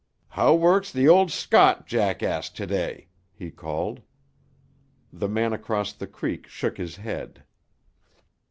"How works tuh old Scot jackass to day?" he called. The man across the creek shook his head.